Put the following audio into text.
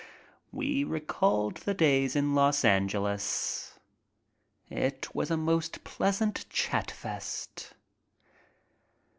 We recalled the days in Los Angeles. It was a most pleasant chatfest.